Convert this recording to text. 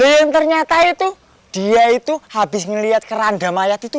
ternyata itu dia itu habis melihat keranda mayat itu